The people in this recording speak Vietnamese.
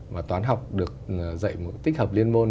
và toán học được dạy tích hợp liên môn